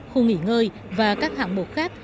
khu nghỉ ngơi và các hạng mục khác